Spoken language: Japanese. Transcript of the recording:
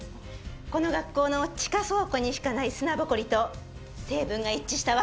この学校の地下倉庫にしかない砂ぼこりと成分が一致したわ。